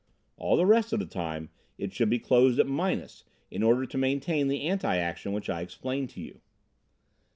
All the rest of the time it should be closed at minus, in order to maintain the anti action which I explained to you.